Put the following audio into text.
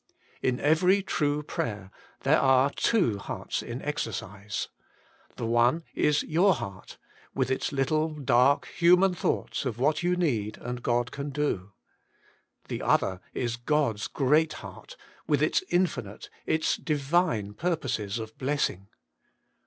In every true prayer there are two hearts in •xercise. The one is your heart, with its little. WAITING ON GODt dark, human thoughts of what you need and God can do. The other is God's great heart, with its infinite, its divine purposes of blessing.